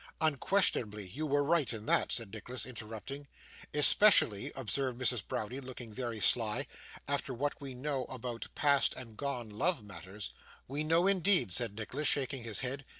'Unquestionably. You were quite right in that,' said Nicholas, interrupting. 'Especially,' observed Mrs. Browdie, looking very sly, 'after what we know about past and gone love matters.' 'We know, indeed!' said Nicholas, shaking his head.